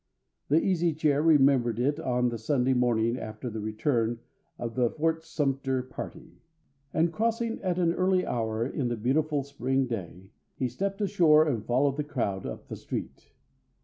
The Easy Chair remembered it on the Sunday morning after the return of the Fort Sumter party; and crossing at an early hour in the beautiful spring day, he stepped ashore and followed the crowd up the street.